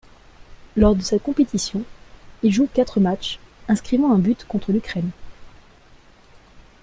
Lors de cette compétition, il joue quatre matchs, inscrivant un but contre l'Ukraine.